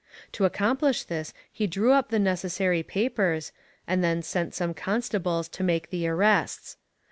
To accomplish this he drew up the necessary papers, and then sent the same constables to make the arrests.